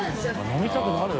飲みたくなる？